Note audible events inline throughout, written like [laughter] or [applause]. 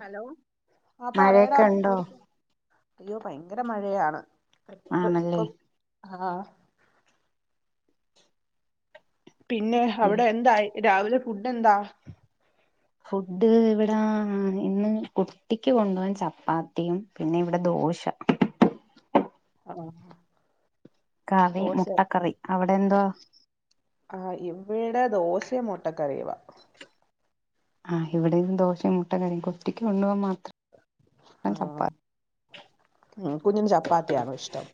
Hello ആ പറയടാ മഴയൊക്കെ എന്തോ ഉണ്ടോ എടുക്കാ? അയ്യോ ഭയങ്കര മഴയാണ്. ഇപ്പ ആണല്ലേ. ഇപ്പം ആഹ് പിന്നെ അവിടെ എന്തായി രാവിലെ ഫുഡെന്താ? ഫുഡ് ഇവിടെ ഏഹ് ഇന്ന് കുട്ടിക്ക് കൊണ്ടവാൻ ചപ്പാത്തിയും പിന്നെ ഇവിടെ ദോശ. ആഹ് കറി മുട്ടക്കറി അവിടെ എന്തോ? ആ ഇവിടെ ദോശയും മുട്ടക്കറിയുവാ. ആഹ് ഇവിടെയും ദോശയും മുട്ടക്കറിയും കുട്ടിക്ക് കൊണ്ടു പോവാൻ മാ ആ ഉ കുഞ്ഞിന് ചപ്പാത്തിയാണോ ഇഷ്ടം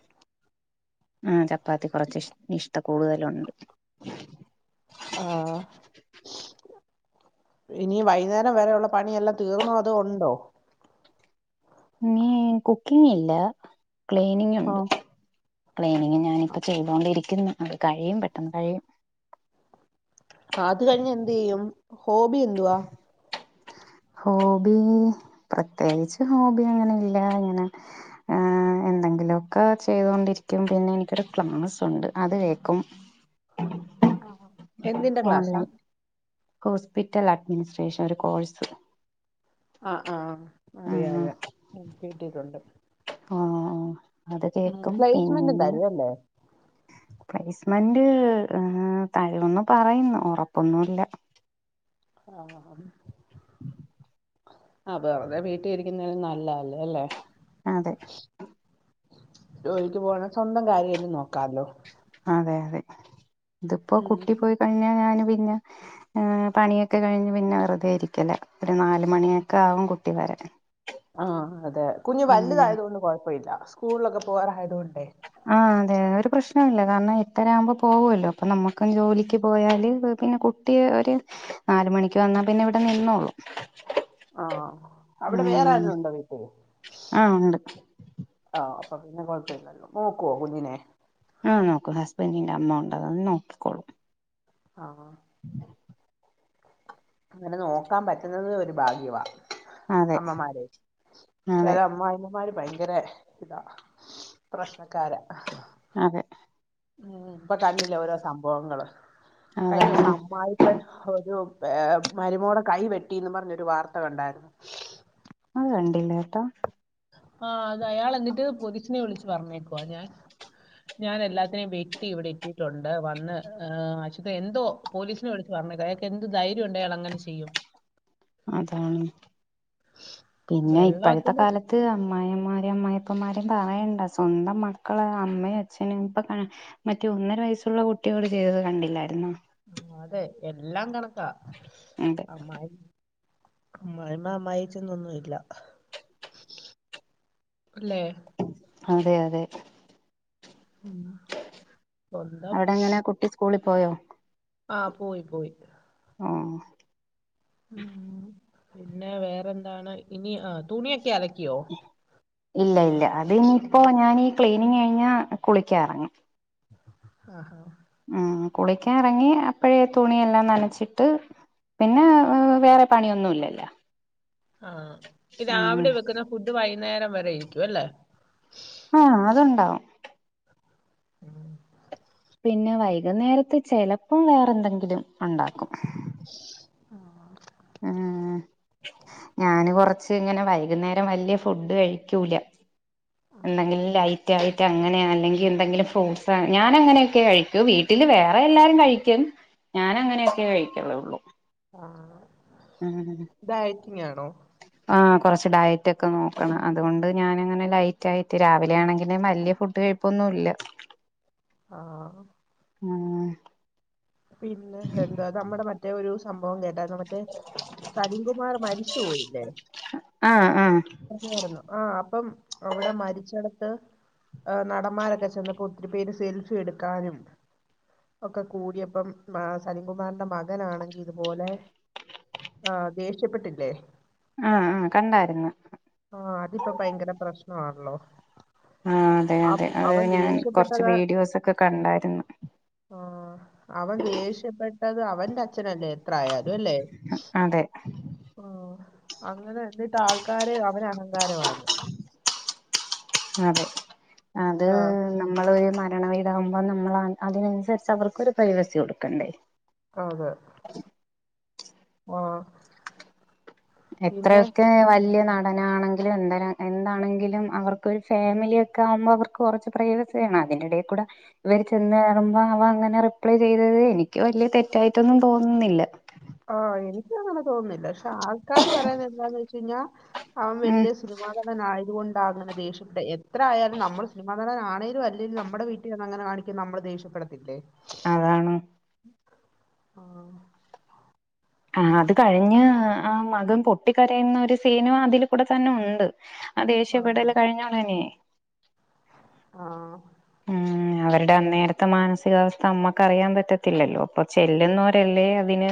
ആ ചപ്പാത്തി കുറച്ച് ഇഷ് ഐഷ്ഠ കൂടുതലുണ്ട് ആ ഇനി വൈകുന്നേരം വരെയൊള്ള പണിയെല്ലാം തീർന്നോ അത ഉണ്ടോ നീ കുക്കിങ്ങില്ല ക്ലീനിങ്ങുണ്ട് ആഹ് ക്ലീയിനിങ് ഞാനിപ്പ ചെയ്തൊണ്ടിരിക്ക ന്നു അത് കഴിയും പെട്ടെന്ന് കഴിയും അത് കഴിഞ്ഞ് എന്ത് ചെയ്യും ഹോബി എന്തുവാ ഹോബി പ്രത്യേകിച്ച് ഹോബി അങ്ങനെ ഇല്ല ഇങ്ങനെ ഏ എന്തെങ്കിലുമൊക്കെ ചെയ്തൊണ്ടിരിക്കും പിന്നെ എനിക്കൊരു ക്ലസൊണ്ട് അത് കേക്കും എന്തിന്റെ ക്ലാസാ ഓൺലൈൻ ഹോസ്പിറ്റൽ അഡ്മിനിസ്ട്രേഷൻ ഒരു കോഴ്സ് ആ ആ ആഹ് അറിയാതെ ആ കിട്ടിട്ടുണ്ട് ആ അത് കേക്കും പിന്നെ തരും അല്ലേ പ്രൈസ്മൻ തരുവെന്ന് പറയുന്നു ഉറപ്പൊന്നുല്ല ആ ആ ബേർതെ വീട്ടി ഇരിക്കുന്നയ്ന് നല്ലല് അല്ലേ അതെ ജോലിക്ക് പോആണെ സ്വന്തം കാര്യല്ലും നോക്കാലോ അതെ അതെ ഇതിപ്പോ ഉം കുട്ടി പോയി കഴിഞ്ഞാ ഞാനും പിന്നെ ഏ പണിയൊക്കെ കഴിഞ്ഞ് പിന്നെ വെറുതെ ഇരിക്കല്ലേ. ഒരു നാല് മണിയൊക്കെ ആവും കുട്ടി വരെ ആഹ് അതെ കുഞ് വല്യതായതുകൊണ്ട് കൊഴപ്പ ഇല്ല സ്കൂൾളൊക്കെ പോആറ് ആയതോണ്ട് ആഹ് അതെ ഒരു പ്രശ്നമില്ല കാരണം എട്ടരാഉമ്പൊ പോവോല്ലോ. പ്പൊ നമ്മുക്കും ജോലിക്ക് പോയാല് പിന്നെ കുട്ടിയെ ഒരു നാല് മണിക്ക് വന്നാ പിന്നെ ഇവിടെ നിന്നോള്ളു ആ ആ അവിടെ വേറെ ആരെലുണ്ടോ വീട്ടില് ആഹ് ഉണ്ട് ആ അപ്പൊ പിന്നെ കൊയ ഇല്ലല്ലോ ഓക്കോ കുഞ്ഞിനെ ആഹ് നോക്കു ഹസ്ബൻറിന്റെ അമ്മ ഉണ്ട് [unintelligible] നോക്കിക്കോളും ആഹ് അങ്ങനെ നോക്കാ പറ്റുന്നത് ഒരു ഭാഗ്യവാ അതെ അമ്മമാരെ ചെല അതെ അമ്മായി മാര് ഭയങ്കര ഇതാ പ്രശ്നക്കാര അതെ ഉം ഇപ്പൊ കണില്ല ഓരോ സംഭവങ്ങള് കഴഞ്ഞോ അതാണ് സമ്മ [unintelligible] ഒരു ഏ മരുമോടെ കൈ വെട്ടിന്ന് പറഞ്ഞൊരു വാർത്ത കണ്ടായിരുന്നു കണ്ടില്ലേ കേട്ടോ ആ അത് അയാൾ എന്നിട്ട് പോതി സിനെ വിളിച്ച് പറഞ്ഞേക്കോ ഞാൻ ഞാൻ എല്ലാത്തിനെയും വെട്ടി ഇവിടെ എത്തിട്ടുണ്ട് വന്ന് അശുത് എന്തോ പോലീസിനെ വിളിച്ച് പറഞ്ഞേക്കോ അയാൾക്ക് എന്ത് ധൈര്യം ഉണ്ട് അയാൾ അങ്ങനെ ചെയ്യും അതാണ് പിന്നെ ഇപ്പോഴത്തെ വെള്ളത്തിന്റെ കാലത്ത് അമ്മായിമ്മ മാർ... അമ്മയപ്പമാരും പറയണ്ട സ്വന്തം മക്കള് അമ്മയും അച്ഛനും ഇപ്പൊ മറ്റേ ഒന്നര വയസുള്ള കുട്ടിയോട് ചെയ്തത് കണ്ടില്ലായിരുന്നോ ആ അതെ എല്ലാം കണക്ക... അതെ ക്ക അമ്മായി. അമ്മായിമ്മ അമ്മയ്യച്ഛൻ ന്നൊന്നും ഇല്ല ല്ലേ അതെ അതെ.. സ്വന്തം..... അവിടെ എങ്ങനെ കുട്ടി സ്കൂളിൽ പോയോ ആ പോയി പോയി ആ ഉ പിന്നെ വേറെന്താണ് ഇനി ആ തുണിയൊക്കെ അലക്ക്...... ക്കിയോ ഇല്ല ഇല്ല അത് ഇനിയിപ്പോ ഞാനീ ക്ലീനിങ് കഴിഞ്ഞ കുളിക്കാറങ്ങി ആ ഹ ഉം കുളിക്കാൻ ഇറങ്ങി അപ്പഴേ തുണിയെല്ലാം നനച്ചിട്ട് പിന്നെ വേറെ പണിയൊന്നുംല്ലല്ലോ ആ ഉം രാവിലെ വെക്കുന്ന ഫുഡ് വൈ നേരം വരെ ഇരിക്കും അല്ലേ ആഹ അതുണ്ടാവും ഉം പിന്നെ വൈകുന്നേരത്തെ ചെലപ്പം വേറെ എന്തെങ്കിലും ഉണ്ടാക്കും ആ ഉം ഞാന് കൊറച്ച് ഇങ്ങനെ വൈകുന്നേരം വലിയ ഫുഡ് കഴിക്കൂല എന്തെങ്കിൽ ലൈറ്റ് ആയിട്ട മറ്റ അങ്ങനെ അല്ലെങ്കിൽ എന്തെങ്കിലും ഫ്രൂട്ട്സ് ഞാനങ്ങനെയൊക്കെ കഴിക്കൂ വീട്ടില് വേറെ എല്ലാരും കഴിക്കും ഞാൻ അങ്ങനെയൊക്കെ കഴിക്കലള്ളൂ.. അ ഡയറ്റിങ്ങാനോ? കുറച്ച് ഡയറ്റ് ഒക്കെ നോക്കണം അതുകൊണ്ട് ഞാനങ്ങനെ ലൈറ്റ് ആയിട്ട് രാവിലെ ആണെങ്കിൽ വലിയ ഫുഡ് കഴിപ്പൊന്നും ഇല്ല ആ അ പിന്നെ എന്താ നമ്മടെ മറ്റേ ഒരു സംഭവം കേട്ടാരുന്നോ മറ്റേ സലീംകുമാർ മരിച്ചു പോയില്ലേ ആഹ് ആഹ് ആ അപ്പം അവിടെ മരിച്ചട ത്ത് നടന്മാരൊക്കെ ചെന്നപ്പോ ഒത്തിരി പേര് സെൽഫി എട്ക്കാനും ഒക്കെ കൂടിയ പ്പം സലിംകുമാറിന്റെ മകനാണെങ്കി ഇതുപോലെ ആ ദേഷ്യപ്പെട്ടില്ലേ ആ ആ കണ്ടാര്ന്ന് [unintelligible] ല്ലോ ആഹ് അതെ അതെ അഹ് ഞാൻ കൊറച്ച് ദേഷ്യപ്പെട്ടത് വീഡിയോസൊക്കെ കണ്ടാര്ന്നു ആ, അവൻ ദേഷ്യപ്പെട്ടത് അവന്റെ അച്ഛനല്ലേ എത്രായാലും അല്ലേ അതെ അങ്ങനെ എന്നിട്ട് ആൾക്കാര് അവന് അഹങ്കാരവാന്ന് അതെ അത് ആ നമ്മളൊരു മരണവീടാകുമ്പോ നമ്മൾ അതിനനുസരിച്ച് അവർക്കൊരു പ്രൈവസി കൊടുക്കണ്ടേ അതെ ആഹ് എത്രയൊക്കെ വല്ല്യ നട ടനാണെങ്കിലും എന്തന എന്താണെങ്കിലും അവർക്കൊരു ഫാമിലി ഒക്കെ ആകുമ്പോ അവർക്ക് കൊറച്ച് പ്രൈവസി വേണം അതിനിടേകൂടെ ഇവര് ചെന്ന് കേറുമ്പോ അവൻ അങ്ങനെ റിപ്ലെ ചെയ്തത് എനിക്ക് വല്ല്യേ തെറ്റായിട്ടൊന്നും തോന്നുന്നില്ല ആഹ് എനിക്കു അങ്ങനെ തോന്നുന്നില്ല ആൾക്കാര് പറയുന്ന എന്താന്ന് വെച്ച് കഴിഞ്ഞാ അവൻ ഉം വല്ല്യേ സിനിമാ നടൻ ആയത്കൊണ്ട് ണ്ടാ അങ്ങനെ ദേശ്യപെട്ടെ എ ത്രയാലും നമ്മൾ സിനിമാ നടനാ ആണേലും അല്ലേലും നമ്മടെ വീട്ടിൽ വന്ന് അങ്ങനെ കാണിക്ക് നമ്മള് ദേഷ്യപ്പെടത്തില്ലേ അതാണ് ആഹ് ആഹ് അത് കഴിഞ്ഞ് ആ മകൻ പൊട്ടിക്കരയുന്നൊരു സീനും അതിൽ കൂടെ തന്നെ ഉണ്ട്. ആ ദേഷ്യപ്പെടൽ കഴിഞ്ഞ ഉടനേയ് ആ മ് അവരുടെ അന്നേരത്തെ മാനസികാവസ്ഥ മ്മക്ക്റിയാൻ പറ്റത്തില്ലല്ലോ അപ്പൊ ചെല്ലുന്നവരല്ലേ അതിന്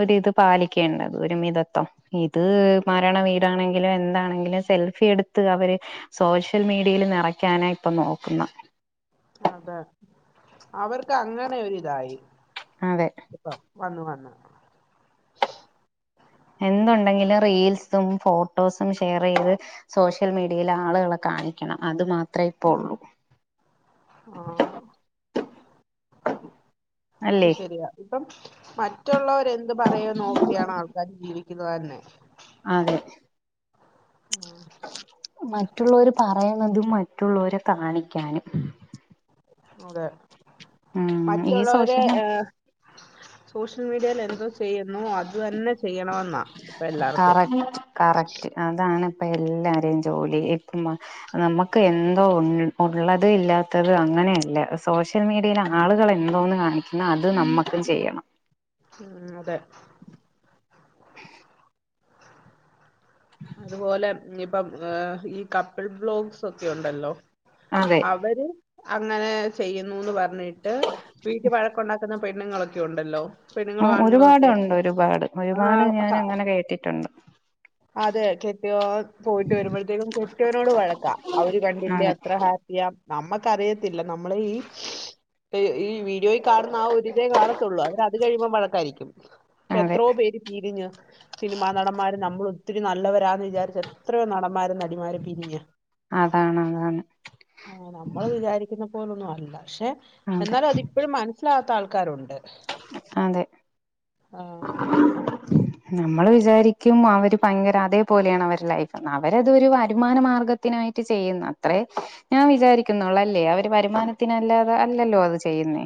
ഒരിത് പാലിക്കേണ്ടത് ഒരു മിതത്വം ഇത് മരണ വീടാണെങ്കിലും എന്താണെങ്കിലും സെൽഫി എടുത്ത് അവര് സോഷ്യൽ മീഡിയൽ നിറയ്ക്കാനാ ഇപ്പൊ നോക്കുന്ന അതെ അവർക്ക് അങ്ങനെ ഒരിതായി അതെ ഇപ്പം വന്ന് വന്ന് എന്തുണ്ടെങ്കിലും റീൽസും ഫോട്ടോസും ഷെയർ ചെയ്ത് സോഷ്യൽ മീഡിയയിൽ ആള്കളെ കാണിക്കണം അതു മാത്രേ ഇപ്പോള്ളൂ ആഹ് അത് അല്ലേ ശരിയാ ഇപ്പം മറ്റുള്ളവര് എന്ത് പറയോ നോക്കിയാണ് ആൾക്കാ ജീവിക് ക്കുന്നത് തന്നെ അതെ മറ്റുള്ളോര് പറയണത് മറ്റുള്ളോരെ കാണിക്കാന് അതെ ഉം ഈ മറ്റുള്ളവരെ സോഷ്യൽ മീ ഏ സോഷ്യൽ മീഡിയേല് എന്തോ ചെയ്യുന്നു അത് തന്നെ ചെയ്യണമെന്നാ ഇപ്പ എല്ലാർക്കും. ഇപ്പൊ എല്ലാരേം ജോലി ഇപ്പം നമ്മക്ക് എന്തോ ഒണ്ട് ഒള്ളത് ഇല്ലാത്തത് അങ്ങനെയല്ല സോഷ്യൽ മീഡിയൽ ആളുകൾ എന്തോന്ന് കാണിക്കുന്നു അത് നമ്മക്ക് ചെയ്യണം. ഉം അതെ അതുപോലെ ഇപ്പം ഈ കപ്പിൾ ബ്ലോഗ്സ് ഒക്കെ ഒണ്ടല്ലോ? അതെ അവര് അങ്ങനെ ചെയ്യുന്നൂന്ന് പറഞ്ഞ് പറഞ്ഞിട്ട് വീട്ടി വഴക്കുണ്ടാക്കുന്ന പെണ്ണുങ്ങളൊക്കെ ഉണ്ടല്ലോ? ആ പെണ്ണുങ്ങളും ആണുങ്ങളും ഒക്കെ ഒരുപാടുണ്ട് ഒരുപാട് ഒരുപാട് ഞാൻ ആ അങ്ങനെ കേട്ടിട്ടുണ്ട്. അതെ കേപ്പിയോൻ പോയിട്ട് വരുമ്പോഴത്തേക്കും കെട്ടവനോട് വഴക്കാ അവര് കണ്ടില്ലേ അതെ അത്ര ഹാപ്പിയാ നമ്മക്കറിയ ല്ല നമ്മളെ ഈ [unintelligible] ഈ വീഡിയോയിൽ കാണുന്ന ആ ഒരിതേ കാണത്തുള്ളൂ അവര് അത് കഴിയുമ്പോ വഴക്കായിരിക്കും. ഇപ്പ അതെ എത്രോ പേര് പിരിഞ്ഞ് സിനിമാ നടന്മാര് നമ്മളും ഒത്തിരി നല്ലവരാന്ന് വിചാരിച്ച എത്രയോ നടന്മാരും നടിമാരും പിരിഞ്ഞ്. അതാണ് അതാണ്. ആ, നമ്മൾ വിചാരിക്കുന്ന പോലൊന്നും അല്ല. പക്ഷെ അതെ എന്നാലുഅതിപ്പോഴും മനസ്സിലാത്ത ആൾക്ക ക്കാരു അതെ ആഹ് നമ്മൾ വിചാരിക്കും അവര് ഭയങ്കര അതേപോലെയാണ് അവരെ ലൈഫെന്ന് അവരത് ഒരു വരുമാന മാർഗത്തിനായിട്ട് ചെയ്യുന്ന അത്രേ ഞാൻ വിചാരിക്കുന്നൊള്ളൂ അല്ലേ അവര് വരുമാനത്തിനല്ലാതെ അല്ലല്ലോ അത് ചെയ്യ്ന്നേ.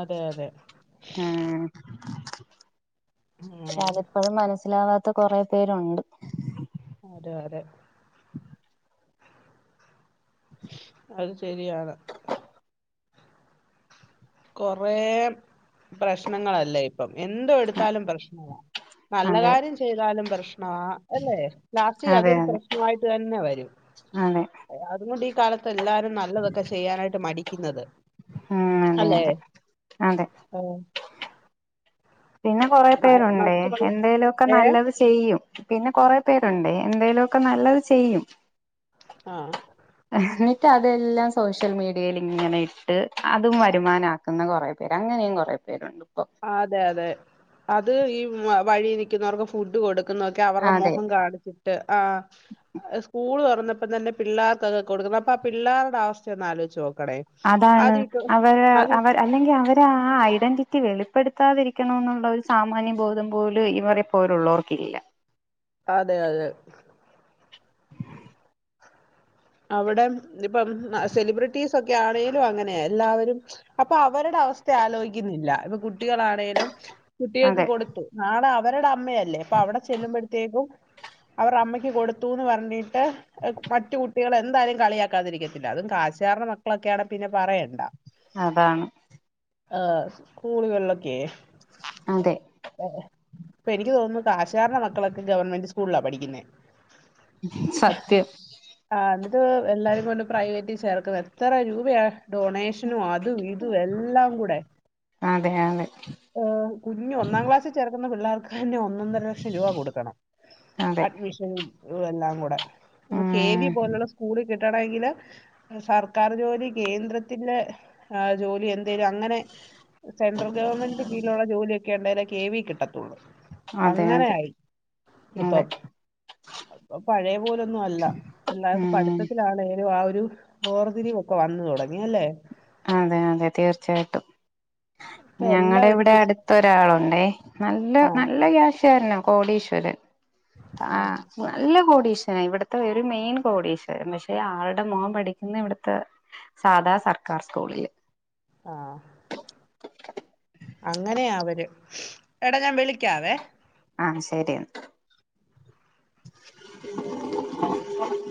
അതെ അതെ ആഹ് ഉം, അതിപ്പോഴും മനസ്സിലാവാത്ത കൊറെ പേരുണ്ട്. അതെ അതെ അത് ശരിയാണ് കൊറേ പ്രശ്നങ്ങളല്ലേ ഇപ്പം എന്ത് എട്ത്താലും പ്രശ്നമാ നല്ല അതെ കാര്യം ചെയ്താലും പ്രശ് ണാ അല്ലേ ലാസ്റ്റ് അതെ അതൊരു അതെ പ്രശ്നമായിട്ടെന്നെ വരും അതെ അതുകുടി കാല ഇപ്പെല്ലാരും നല്ലതൊക്കെ ചെയ്യാനായിട്ട് മടിക്ക്ന്നത്. ഉം അതെ അതെ അതെ പിന്നെ കൊറെ മ പേരുണ്ടേ മറ്റുള്ള എന്തേലുമ ഒക്കെ ഏഹ് നല്ലത് ചെയ്യും പിന്നെ കൊറെ പേരുണ്ട്േ എന്തേലുമ ഒക്കെ നല്ലത് ചെയ്യും ആ മറ്റേ അതെല്ലാം സോഷ്യൽ മീഡിയയിൽ ഇങ്ങനെ അതും വരുമാന കുറേ പേർ അങ്ങനെയും കുറേ പേരുണ്ട് ഇപ്പൊ അതെ അതെ അത് ഈ വഴി നിൽിക്കുന്നവർക്ക് ഫുഡ് കൊടുക്കും അവെര അതെ മുഖം കാണിച്ചിട്ട് ആ സ്കൂൾതുറ പ്പം തന്നെ പിള്ളേർക്കൊക്കെ കൊടുക്കണം അപ്പ ആ പിള്ളേരുടെ അവസ്ഥ ഒന്ന് ആലോചിച്ചോ അതാണ് അവർ അവ അല്ലെങ്കിൽ അവരെ ആ ഐഡന്റിറ്റി റ്റി വെളിപ്പെടുത്താതിരിക്കണ എന്നുള്ള ഒരു സാമാന്യ ബോധം പോലും ഈവരെ പോലുള്ളവർക്കില്ല അതെ അതെ അവിടെ ഇപ്പം സെലിബ്രിറ്റീസ് ഒക്കെ ആണേലും അങ്ങനെ എല്ലാവരും അപ്പൊ അവരുടെ അവസ്ഥ ആലോചിക്കുന്നില്ല ഇപ്പൊ കുട്ടികളാണേലും കുട്ടികൾക്ക് അതെ കൊടുത്തു നാളെ ഇവരട അമ്മയല്ലേ അപ്പൊ അവിടെ ചെല്ലുമ്പോഴത്തേക്കും അവർ അമ്മയ്ക്ക് കൊടുത്തുന്ന് പറഞ്ഞിട്ട് മറ്റ [unintelligible] കുട്ടികൾ എന്തായാലും കളിയാക്കാതിരിക്കത്തില്ല അതും കാശാാരടെ മക്കളൊക്കെയ ആാണ് പിന്നെ പറയേണ്ട അതാണ് ആ സ്കൂളുകളിലൊക്കെ അതെ ഇപ്പൊ എനിക്ക് തോന്നുന്നു കാശാാരടെ മക്കളൊക്കെ ഗവൺമെന്റ് സ്കൂളിലാ പഠിക്കുന്നേ സത്യം എന്നിട്ട് എല്ലാരും കൊണ്ട് പ്രൈവറ്റിൽ ചേർക്കും എത്ര രൂപയ ഡൊണേഷനും ആദ് ഇത് എല്ലാം കൂടെ അതെയാണ് ഏ കുഞ്ഞഞ് ഒന്നാം ക്ലാസ്സിൽ ചേർക്കുന്ന പിള്ളേർക്ക് പിന്നെ ഒന്നൊന്നര ലക്ഷം രൂപ കൊടുക്കണം അതെ അഡ്മിഷനും എല്ലാം കൂടെ കെ വി ഉം പോലുള്ള സ്കൂള് കിട്ടണമെങ്കില് സർക്കാർ ജോലി കേന്ദ്രത്തിന്റെ ജോലി എ രും അങ്ങനെ സെൻട്രൽ ഗവൺമെന്റ് ജോലിയൊക്കെ ഉണ്ടായാലെ കെ വി കിട്ടത്തുള്ളൂ അതെ അങ്ങനെ അതെ ആയി അതെ ഇപ്പം പഴയ പോലൊന്നും അല്ല പിള്ളേർക്ക് ഉം പഠിത്തത്തില ആണേലും ആ ഒരു വേർതിരിവ് ഒക്കെ വന്ന് തുടങ്ങിയല്ലേ അതെ അതെ തീർച്ചയായിട്ടും ഇപ്പൊ എല്ലാം ഞങ്ങടെ ഒരു ഇവിടെ ബിസ് അടുത്തൊരാളോ എ നല്ല ആഹ് നല്ല ക്യാഷുകാരനാ കോടീശ്വരൻ ആഹ നല്ല കോടി ഇവിടത്തെ ഒരു മെയിൻ കോടീശ്വരൻ പക്ഷെ ആളുടെ മോൻ പഠിക്കുന്നെ ഇവിടുത്തെ സാധാ സർക്ക ക്കാർ സ്കൂളില് ആ അങ്ങനെയാ അവര് എടാ ഞാൻ വിളിക്കാവേ ആ ശരി എന്നാ